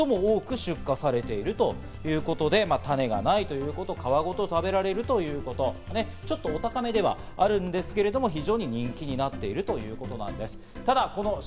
巨峰が多かったんですが、巨峰を抜いてシャインマスカットが最も多く出荷されているということで、種がないということ、皮ごと食べられるということ、ちょっとお高めではあるんですけれども、非常に人気になっているということなんです。